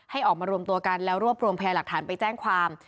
ให้ออกมารวมตัวกันแล้วรวบรวมพยาหลักฐานไปแจ้งความ